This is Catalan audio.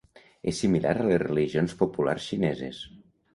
És similar a les religions populars xineses.